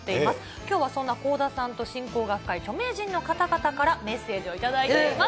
きょうはそんな倖田さんと親交が深い著名人の方々から、メッセージを頂いております。